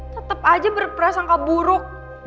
tetep aja berperasaan keburuk